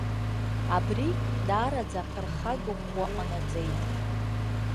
Абри даараӡа аԥырхага ӷәӷәа ҟанаҵеит.